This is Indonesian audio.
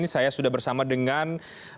saya sudah bersama dengan